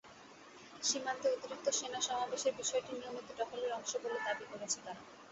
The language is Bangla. সীমান্তে অতিরিক্ত সেনা সমাবেশের বিষয়টি নিয়মিত টহলের অংশ বলে দাবি করেছে তারা।